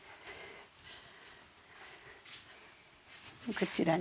こちらに。